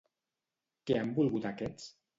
Què han volgut aquests?